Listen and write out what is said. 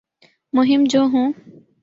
مہم جو ہوں